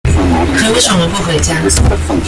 你為什麼不回家？